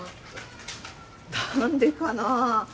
何でかな？